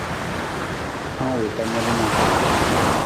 Hang wii ka nalu nanta.